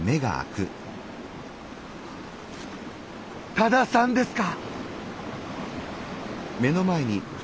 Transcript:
多田さんですか？